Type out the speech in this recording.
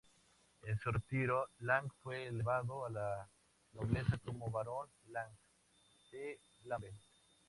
En su retiro, Lang fue elevado a la nobleza como Barón Lang de Lambeth.